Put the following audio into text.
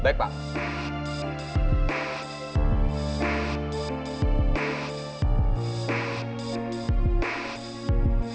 tidak tidak tidak